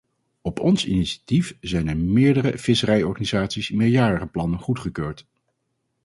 Op ons initiatief zijn er in meerdere visserijorganisaties meerjarenplannen goedgekeurd.